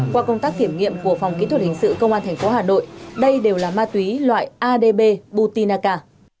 qua công tác kiểm nghiệm của phòng kỹ thuật hình sự công an thành phố hà nội đây đều là ma túy loại adb butinaca